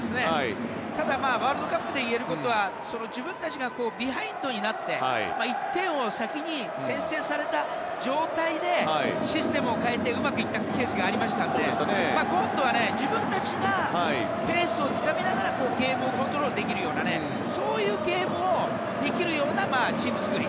ただ、ワールドカップでいえることは自分たちがビハインドになって１点を先に先制された状態でシステムを変えてうまくいったケースがありましたので今度は自分たちがペースをつかみながらゲームをコントロールできるようなそういうゲームができるようなチーム作り。